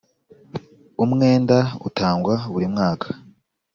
umwenda utangwa buri mwaka